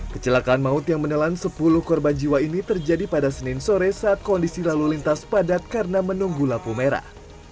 kecelakaan maut yang menelan sepuluh korban jiwa ini terjadi pada senin sore saat kondisi lalu lintas padat karena menunggu lampu merah